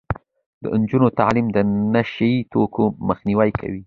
د نجونو تعلیم د نشه يي توکو مخنیوی کوي.